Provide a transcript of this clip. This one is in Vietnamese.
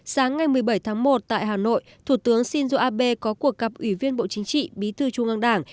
sáng ngày một mươi bảy tháng một tại hà nội thủ tướng shinzo abe có cuộc gặp ủy viên bộ chính trị bí thư trung ương đảng